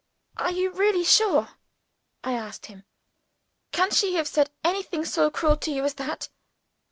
"Are you really sure?" I asked him. "Can she have said anything so cruel to you as that?"